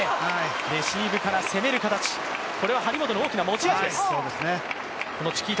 レシーブから攻める形、これは張本の大きな持ち味です。